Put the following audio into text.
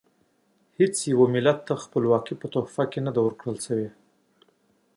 هیڅ ملت ته خپلواکي په تحفه کې نه ده ورکړل شوې.